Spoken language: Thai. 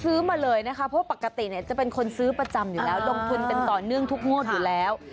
ซื้อมาเลยนะคะปกติจะเป็นคนซื้อประจำอยู่แล้วลงทุนเป็นต่อเนื่องทุกงวดอยู่แล้ว